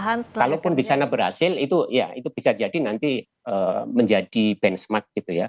ya mudah mudahan saja sih berhasil itu bisa jadi nanti menjadi benchmark gitu ya